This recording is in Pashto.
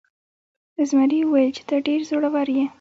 زمري وویل چې ته ډیر زړور یې.